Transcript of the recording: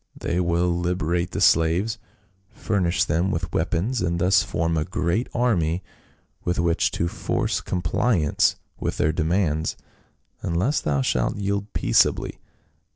They will liberate the slaves, furnish them with weapons, and thus form a great army with which to force compliance with their demands, unless thou shalt yield peaceably."